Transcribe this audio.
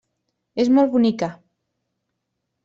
És molt bonica.